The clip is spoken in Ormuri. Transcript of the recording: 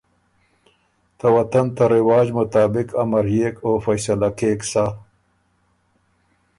ته وطن ته رواج مطابق امريېک او فیصله کېک سۀ۔